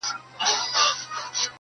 o که غاپې نه، لکۍ خو دي دينگه ونيسه٫